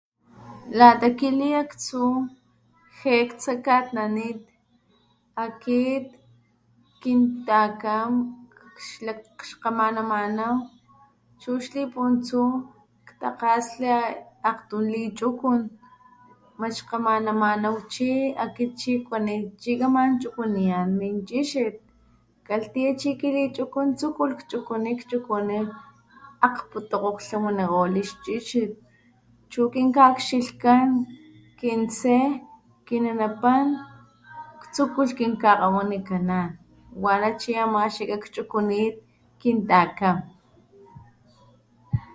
Lata kiliaktsu ge ktsakatnanit akit kintakam xkgamanamanaw akit takgasli akgtun lichukun mat xkgamanamanaw chi akit chi kuani akit kaman chukuniyan min chixit kalhtiya chi kilichukun tsukulh kchukuni, kchukuni akgputokgo ktlawanikgolh ixchixit chu kinkajchilhkan kintse, kinanapan tsukulh kinkakgawanikanan wana chi ama xikakchukunit kintakam.